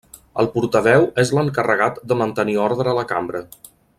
El portaveu és l'encarregat de mantenir ordre a la cambra.